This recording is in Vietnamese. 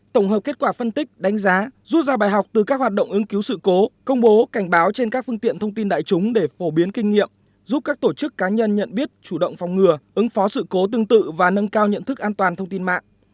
tổng hợp kết quả phân tích đánh giá rút ra bài học từ các hoạt động ứng cứu sự cố công bố cảnh báo trên các phương tiện thông tin đại chúng để phổ biến kinh nghiệm giúp các tổ chức cá nhân nhận biết chủ động phòng ngừa ứng phó sự cố tương tự và nâng cao nhận thức an toàn thông tin mạng